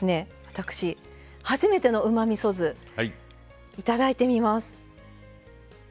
私初めてのうまみそ酢頂いてみます。